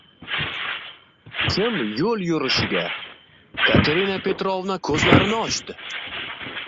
Kim yoʻl yurishiga? – Katerina Petrovna koʻzlarini ochdi.